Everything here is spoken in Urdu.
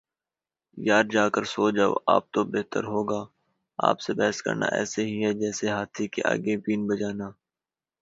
یار جا کر سو جاﺅ آپ تو بہتر ہو گا، آپ سے بحث کرنا ایسے ہی ہے جسیے ہاتھی کے آگے بین بجانا